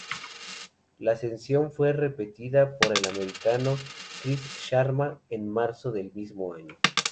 La ascensión fue repetida por el americano Chris Sharma en marzo del mismo año.